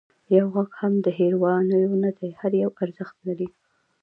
یو غږ هم د هېروانیو نه دی، هر یو ارزښت لري.